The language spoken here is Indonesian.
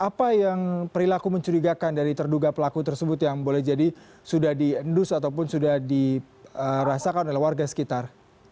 apa yang perilaku mencurigakan dari terduga pelaku tersebut yang boleh jadi sudah diendus ataupun sudah dirasakan oleh warga sekitar